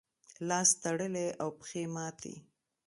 لاس تړلی او پښې ماتې.